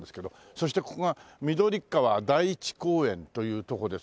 そしてここが緑川第一公園というとこですね。